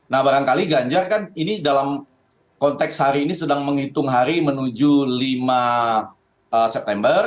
nah barangkali ganjar kan ini dalam konteks hari ini sedang menghitung hari menuju lima september